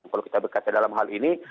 kalau kita berkata dalam hal ini